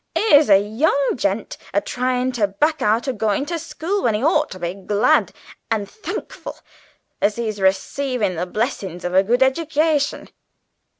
'Ere's a young gent a tryin' to back out o' going to school when he ought to be glad and thankful as he's receivin' the blessin's of a good eddication.